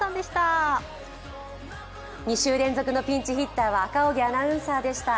２週連続のピンチヒッターは赤荻アナウンサーでした。